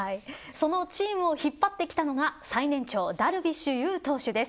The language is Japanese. そのチームを引っ張ってきたのが最年長ダルビッシュ有投手です。